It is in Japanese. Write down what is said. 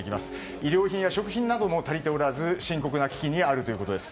衣料品や食品なども足りておらず深刻な危機にあるということです。